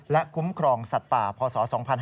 และคุ้มครองสัตว์ป่าพศ๒๕๕๙